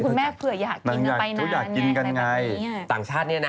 คุณแม่เผื่ออยากกินไปนานแหละตังชาตินี่นะ